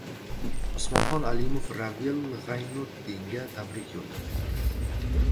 Usmonxon Alimov Ravil G‘aynutdinga tabrik yo‘lladi